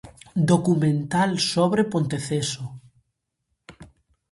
Documental sobre Ponteceso.